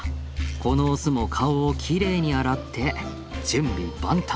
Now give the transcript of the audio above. このオスも顔をきれいに洗って準備万端！